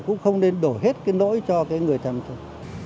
cũng không nên đổ hết cái nỗi cho cái người chăm thôi